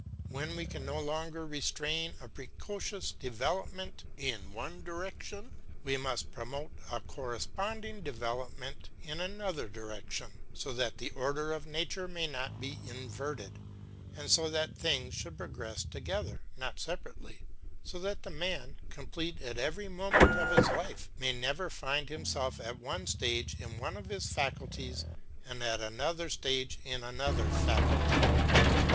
When we can no longer restrain a precocious development in one direction we must promote a corresponding development in another direction, so that the order of nature may not be inverted, and so that things should progress together, not separately, so that the man, complete at every moment of his life, may never find himself at one stage in one of his faculties and at another stage in another faculty.